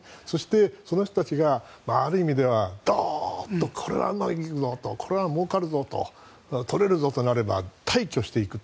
その人たちがある意味ではドッとこれはもうかるぞと取れるぞとなれば大挙して行くと。